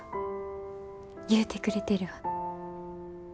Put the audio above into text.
言うてくれてるわ。